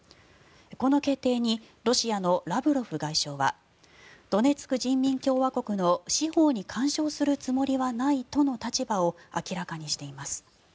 この決定にロシアのラブロフ外相はドネツク人民共和国の司法に干渉するつもりはないとの立場を明らかにしています。